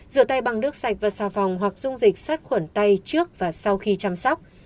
rửa tay bằng nước sạch và xà phòng hoặc dung dịch sát khuẩn tay trước và sau khi chăm sóc